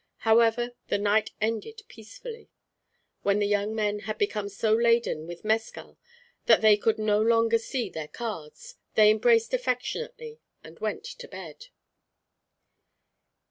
However, the night ended peacefully. When the young men had become so laden with mescal that they could no longer see their cards, they embraced affectionately and went to bed.